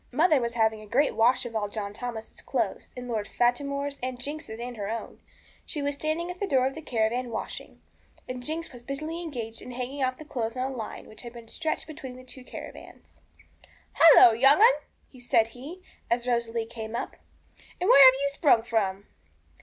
Mother was having a great wash of all John Thomas's clothes, and Lord Fatimore's and Jinx's and her own. She was standing at the door of the caravan washing, and Jinx was busily engaged hanging out the clothes on a line which had been stretched between the two caravans. 'Halloa, young 'un!' said he, as Rosalie came up; 'and where have you sprung from?'